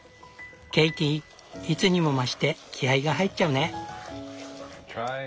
ケイティいつにも増して気合いが入っちゃうね。